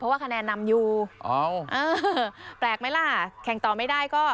ว่าคะแนนนำอยู่แปลกไหมล่ะแข่งต่อไม่ได้ก็